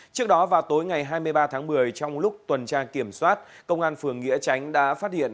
trước đó vào tối ngày hai mươi ba tháng một mươi trong lúc tuần tra kiểm soát công an phường nghĩa tránh đã phát hiện